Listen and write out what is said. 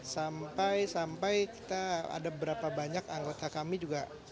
sampai sampai kita ada berapa banyak anggota kami juga